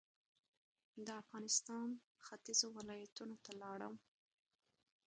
د افغانستان ختيځو ولایتونو ته لاړم.